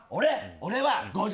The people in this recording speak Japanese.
俺は５０。